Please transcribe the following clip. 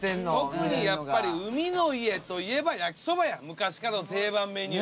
特にやっぱり海の家といえば焼きそばや昔からの定番メニュー。